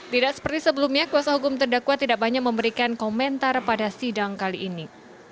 tidak seperti sebelumnya kuasa hukum terdakwa tidak banyak memberikan komentar pada sidang kali ini